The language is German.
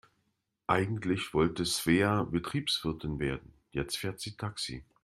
Eigentlich wollte Svea Betriebswirtin werden, jetzt fährt sie Taxi.